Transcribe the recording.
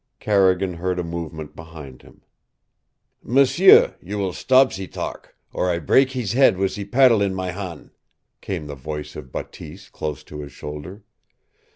Carrigan heard a movement behind him. "M'sieu, you will stop ze talk or I brak hees head wit' ze paddle in my han'!" came the voice of Bateese close to his shoulder.